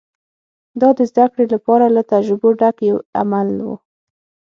دا د زدهکړې لپاره له تجربو ډک یو عمل و